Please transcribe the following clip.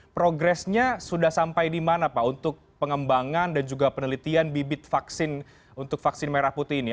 progresnya sudah sampai di mana pak untuk pengembangan dan juga penelitian bibit vaksin untuk vaksin merah putih ini